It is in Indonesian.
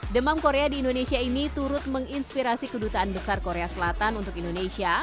demam korea di indonesia ini turut menginspirasi kedutaan besar korea selatan untuk indonesia